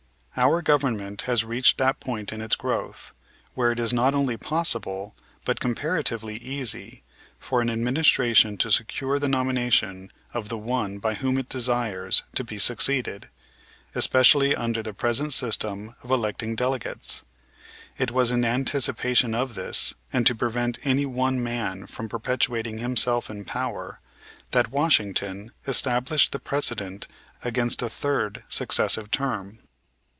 Our government has reached that point in its growth, where it is not only possible, but comparatively easy, for an administration to secure the nomination of the one by whom it desires to be succeeded, especially under the present system of electing delegates. It was in anticipation of this, and to prevent any one man from perpetuating himself in power, that Washington established the precedent against a third successive term.